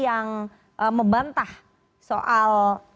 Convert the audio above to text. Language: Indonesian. yang membantah soal